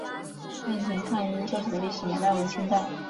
雁田抗英旧址的历史年代为清代。